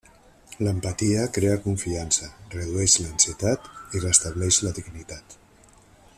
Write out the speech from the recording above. L'empatia crea confiança, redueix l'ansietat i restableix la dignitat.